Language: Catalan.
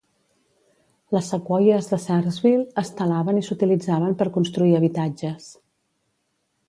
Les sequoies de Searsville es talaven i s'utilitzaven per construir habitatges.